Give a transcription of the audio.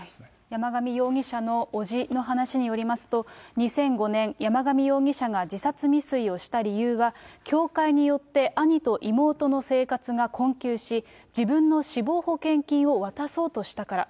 山上容疑者の伯父の話によりますと、２００５年、山上容疑者が自殺未遂をした理由は、教会によって、兄と妹の生活が困窮し、自分の死亡保険金を渡そうとしたから。